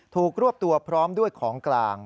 รวบตัวพร้อมด้วยของกลาง